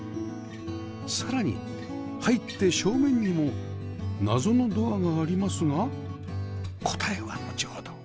さらに入って正面にも謎のドアがありますが答えは後ほど